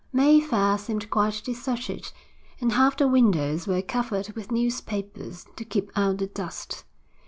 Mayfair seemed quite deserted, and half the windows were covered with newspapers to keep out the dust.